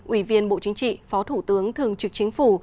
ủy viên bộ chính trị phó thủ tướng thường trực chính phủ